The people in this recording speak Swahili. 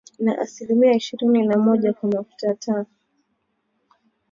Na asilimia ishirini na moja kwa mafuta ya taa